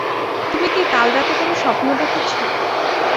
তুমি কি কাল রাতে কোনো স্বপ্ন দেখেছ?